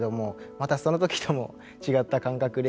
またその時とも違った感覚で。